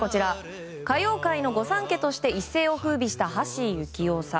歌謡界の御三家として一世を風靡した橋幸夫さん。